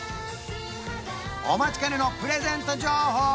お待ちかねのプレゼント情報